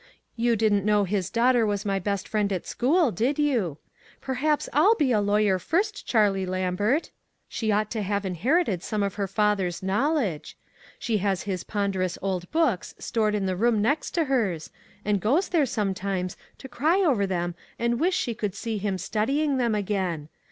You didn't know his daughter was my best friend at school, did you ? Perhaps I'll be a lawyer, first, Charlie Lambert. She ought to have inherited some of her father's knowledge. She has his ponderous old books stored in the room next to hers, and goes there, sometimes, to cry over them and wish she could see him studying them again.